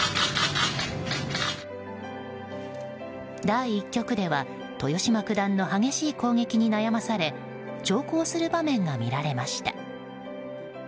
第１局では豊島九段の激しい攻撃に悩まされ長考する場面が見られました。